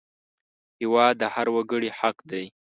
هېواد د هر وګړي حق دی